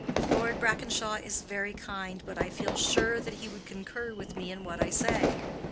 Lord Brackenshaw is very kind, but I feel sure that he would concur with me in what I say.